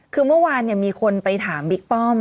คือเมื่อวานมีคนไปถามบิ๊กป้อม